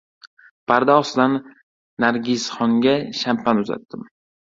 Parda ostidan Nargisxonga shampan uzatdim.